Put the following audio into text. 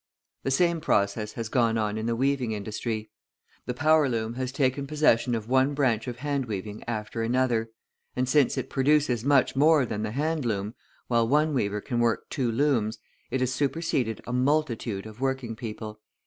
The same process has gone on in the weaving industry; the power loom has taken possession of one branch of hand weaving after another, and since it produces much more than the hand loom, while one weaver can work two looms, it has superseded a multitude of working people.